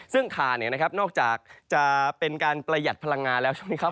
ซึ่งคาเนี่ยนะครับนอกจากจะเป็นการประหยัดพลังงานแล้วใช่ไหมครับ